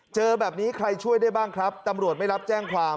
เจอแบบนี้ใครช่วยได้บ้างครับตำรวจไม่รับแจ้งความ